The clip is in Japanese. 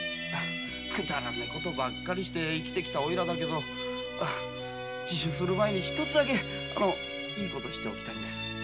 くだらねえ事ばかりしてきたオイラだけど自首する前に一つだけいい事しておきたいんです。